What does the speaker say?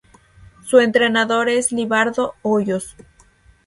Su entrenador es Libardo Hoyos.